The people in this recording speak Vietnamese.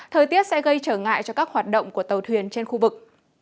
thời tiết sẽ gây trở ngại cho các hoạt động của tàu thuyền trên khu vực